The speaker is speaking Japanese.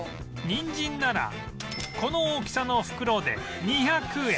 にんじんならこの大きさの袋で２００円